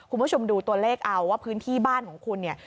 คุณผู้ชมดูตัวเลขเอาว่าพื้นที่บ้านของคุณเนี่ย